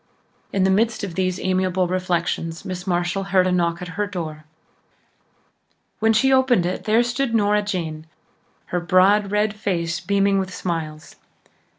In the midst of these amiable reflections Miss Marshall heard a knock at her door. When she opened it there stood Nora Jane, her broad red face beaming with smiles.